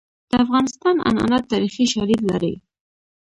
د افغانستان عنعنات تاریخي شالید لري.